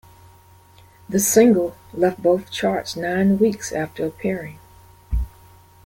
The single left both charts nine weeks after appearing.